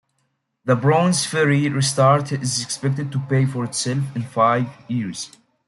The Browns Ferry restart is expected to pay for itself in five years.